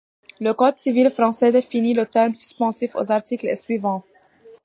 Le Code civil français définit le terme suspensif aux articles et suivants.